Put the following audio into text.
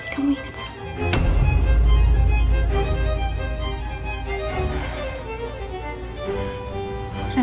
kamu inget sarah